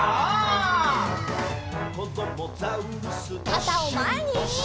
かたをまえに！